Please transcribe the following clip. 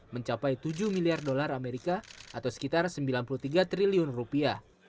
mencapai tujuh miliar dolar amerika atau sekitar sembilan puluh tiga triliun rupiah